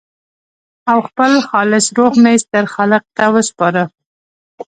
او خپل خالص روح مې ستر خالق ته وسپاره.